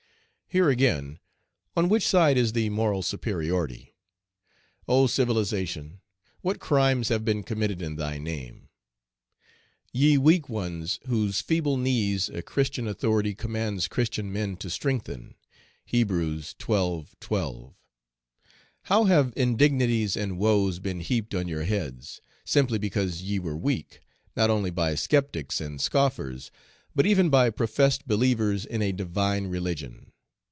Here, again, on which side is the moral superiority? Oh, civilization, what crimes have been committed in thy name! Ye weak ones, whose "feeble knees" a Christian authority commands Christian men to strengthen (Heb. xii. 12), how have indignities and woes been heaped on your heads, simply because ye were weak, not only by sceptics and scoffers, but even by professed believers in a divine religion!